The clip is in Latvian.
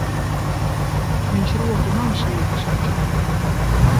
Viņš roku man sniegs taču.